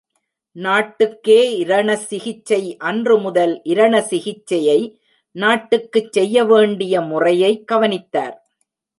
நாட்டுக்கே இரண சிகிச்சை அன்று முதல் இரண சிகிச்சையை நாட்டுக்குச் செய்யவேண்டிய முறையை கவனித்தார்.